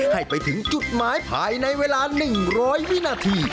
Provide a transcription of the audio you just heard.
ให้ไปถึงจุดหมายภายในเวลา๑๐๐วินาที